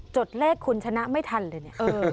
จดเลขคุณชนะไม่ทันเลย